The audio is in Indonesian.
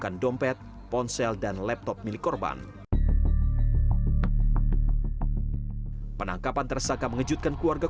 aab mengaku ia terlilit utang belasan juta rupiah